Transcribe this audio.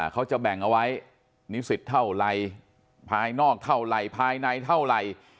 เขาจะแบ่งเอาไว้นิสิตเท่าไหร่ภายนอกเท่าไหร่ภายในเท่าไหร่